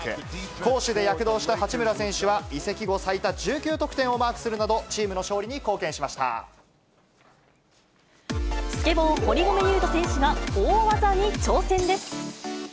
攻守で躍動した八村選手は、移籍後最多１９得点をマークするなど、チームの勝利に貢献しましスケボー、堀米雄斗選手が大技に挑戦です。